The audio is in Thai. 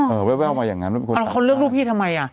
เออเอ่อแว้วมาอย่างงั้นไม่แล้วคนเลือกรูปพี่ทำไมอ่ะ